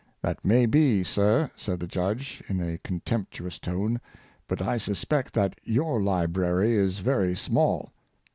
" That may be, sir," said the judge, in a con temptuous tone, '' but I suspect that your library is very small."